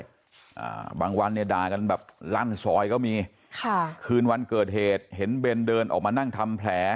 อ่าบางวันเนี่ยด่ากันแบบลั่นซอยก็มีค่ะคืนวันเกิดเหตุเห็นเบนเดินออกมานั่งทำแผล